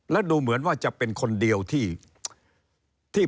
แล้วดูเหมือนว่าจะเป็นคนเดียวที่